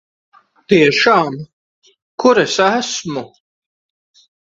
Tiešām? Kur es esmu?